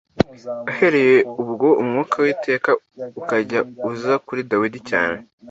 uhereye ubwo umwuka w’Uwiteka akajya aza kuri Dawidi cyane.